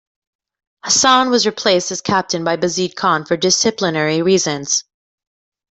Hasan was replaced as captain by Bazid Khan for disciplinary reasons.